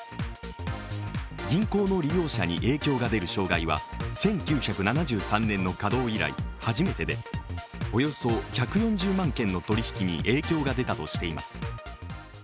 銀行の利用者に影響が出る障害は１９７３年の稼働以来初めてでおよそ１４０万件の取り引きに影響が出たとしています。